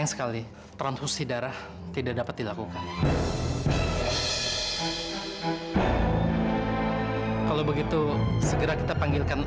baik pak mari saya bantu